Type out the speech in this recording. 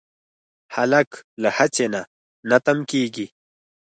هلک له هڅې نه نه تم کېږي.